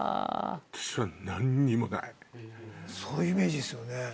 そういうイメージっすよね。